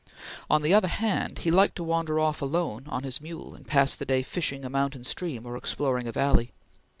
On the other hand, he liked to wander off alone on his mule, and pass the day fishing a mountain stream or exploring a valley.